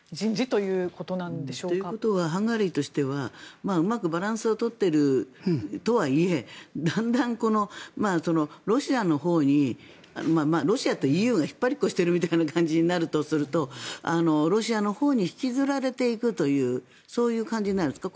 ということはハンガリーとしてはうまくバランスを取っているとはいえだんだん、ロシアのほうにロシアとＥＵが引っ張りっこしているみたいな感じになるとロシアのほうに引きずられていくというそういう感じになるんですか。